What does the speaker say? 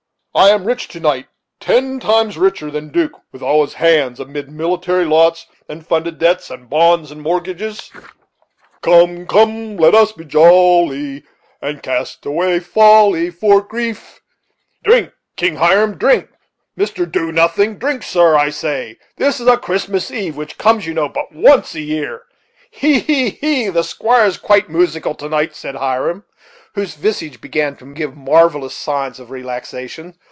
I am rich to night, ten times richer than 'Duke, with all his lands, and military lots, and funded debts, and bonds, and mortgages, 'Come, let us be jolly, And cast away folly, For grief ' "Drink, King Hiram drink, Mr. Doo nothing drink, sir, I say. This is a Christmas eve, which comes, you know, but once a year." "He! he! he! the squire is quite moosical to night," said Hiram, whose visage began to give marvellous signs of relaxation.